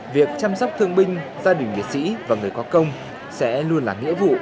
việc chăm sóc thương binh gia đình liệt sĩ và người có công sẽ luôn là nghĩa vụ